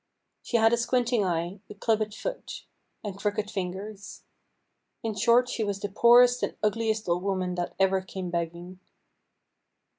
She had a squinting eye, a clubbed foot, and crooked fingers. In short, she was the poorest and ugliest old woman that ever came begging.